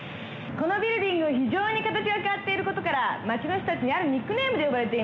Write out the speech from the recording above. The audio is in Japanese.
「このビルディングは非常に形が変わっていることから町の人たちにあるニックネームで呼ばれています」